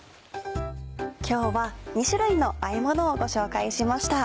今日は２種類のあえものをご紹介しました。